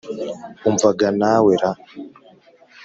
Umva ga nawe ra